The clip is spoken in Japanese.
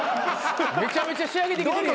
めちゃめちゃ仕上げてきてるやん。